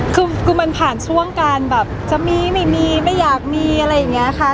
คือมันผ่านช่วงการแบบจะมีไม่มีไม่อยากมีอะไรอย่างนี้ค่ะ